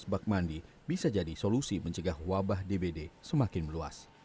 bagaimana cara pembak mandi bisa jadi solusi mencegah wabah dbd semakin meluas